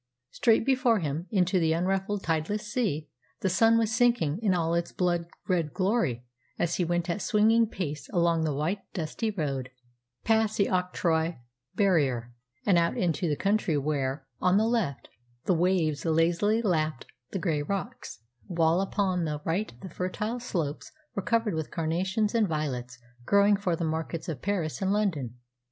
Straight before him, into the unruffled, tideless sea, the sun was sinking in all its blood red glory as he went at swinging pace along the white, dusty road, past the octroi barrier, and out into the country where, on the left, the waves lazily lapped the grey rocks, while upon the right the fertile slopes were covered with carnations and violets growing for the markets of Paris and London.